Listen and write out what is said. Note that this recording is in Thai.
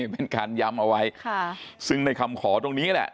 เป็นการย้ำเอาไว้ค่ะซึ่งในคำขอตรงนี้แหละ